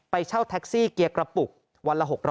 เช่าแท็กซี่เกียร์กระปุกวันละ๖๐๐